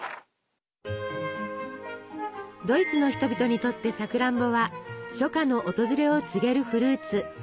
ドイツの人々にとってさくらんぼは初夏の訪れを告げるフルーツ。